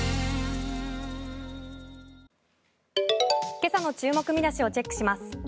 今朝の注目見出しをチェックします。